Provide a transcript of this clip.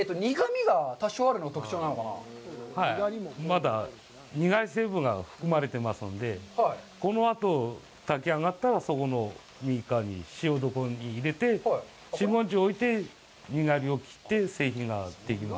まだにがり成分が含まれてますんで、このあと炊き上がったら、そこの右側に塩床に入れて、４５日置いて、苦みを切って、製品になっていきます。